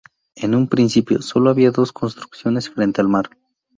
En un principio, sólo había dos construcciones frente al mar.